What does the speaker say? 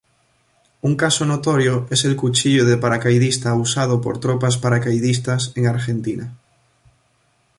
Un caso notorio es el cuchillo de paracaidista usado por tropas paracaidistas en Argentina.